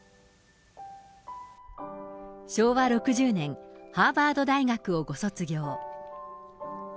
昭和６０年、ハーバード大学をご卒業。